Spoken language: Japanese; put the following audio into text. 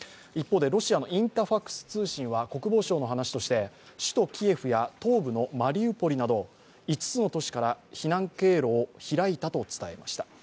一方でロシアのインタファクス通信は国防省の話として首都キエフや東部のマリウポリなど５つの都市から避難経路を開いたと伝えました。